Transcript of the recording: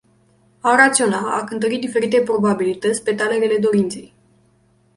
A raționa - a cântări diferite probabilități pe talerele dorinței.